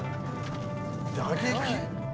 『打撃』？